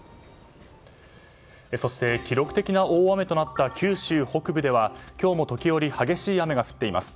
そして、記録的な大雨となった九州北部では今日も時折激しい雨が降っています。